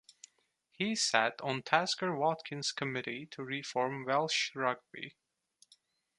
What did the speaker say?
He sat on Tasker Watkins committee to reform Welsh rugby.